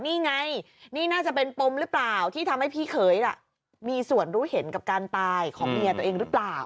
นี่ไงนี่น่าจะเป็นปมหรือเปล่าที่ทำให้พี่เขยมีส่วนรู้เห็นกับการตายของเมียตัวเองหรือเปล่า